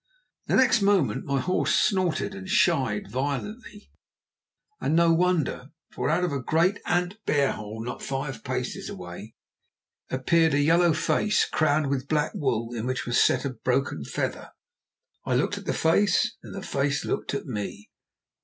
The next moment my horse snorted and shied violently, and no wonder, for out of a great ant bear hole not five paces away appeared a yellow face crowned with black wool, in which was set a broken feather. I looked at the face and the face looked at me.